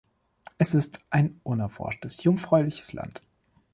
Es ist ein unerforschtes, jungfräuliches Land.